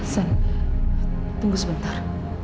san tunggu sebentar